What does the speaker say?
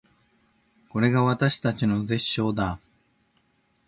これが私たちの絶唱だー